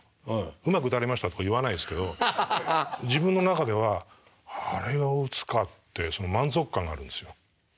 「うまく打たれました」とか言わないですけど自分の中では「あれを打つか」って満足感があるんですよ。